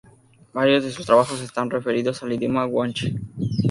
Varios de sus trabajos están referidos al idioma guanche.